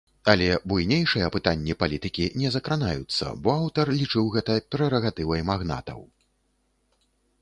Але буйнейшыя пытанні палітыкі не закранаюцца, бо аўтар лічыў гэта прэрагатывай магнатаў.